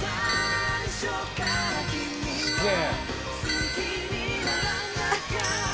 すげえ。